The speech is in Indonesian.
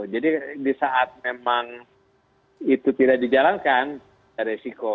jadi di saat memang itu tidak dijalankan ada risiko